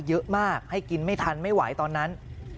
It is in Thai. เยอะมากให้กินไม่ทันไม่ไหวตอนนั้น